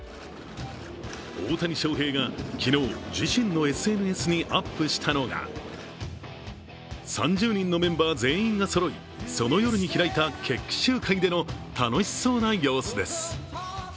大谷翔平が昨日、自身のＳＮＳにアップしたのが３０人のメンバー全員がそろい、その夜に開いた決起集会での楽しそうな様子です。